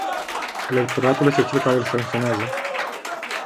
Electoratul este cel care îi sancționează.